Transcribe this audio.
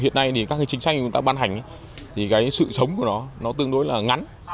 hiện nay thì các cái chính sách mà chúng ta ban hành thì cái sự sống của nó nó tương đối là ngắn